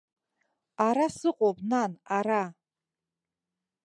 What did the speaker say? Ара сыҟоуп, нан, ара!